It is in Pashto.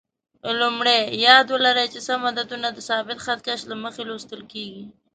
لومړی: یاد ولرئ چې سم عددونه د ثابت خط کش له مخې لوستل کېږي.